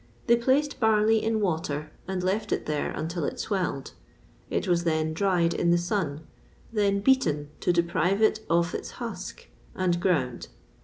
They placed barley in water, and left it there until it swelled; it was then dried in the sun, then beaten to deprive it of its husk, and ground.